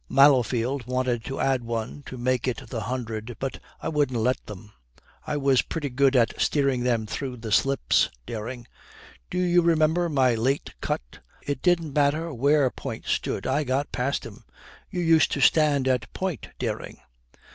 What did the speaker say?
Mallowfield wanted to add one to make it the hundred, but I wouldn't let them. I was pretty good at steering them through the slips, Dering! Do you remember my late cut? It didn't matter where point stood, I got past him. You used to stand at point, Dering.'